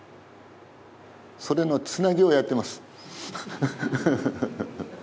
それのつなぎをやってます。ハハハ。